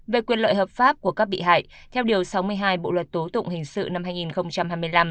về quyền lợi hợp pháp của các bị hại theo điều sáu mươi hai bộ luật tố tụng hình sự năm hai nghìn hai mươi năm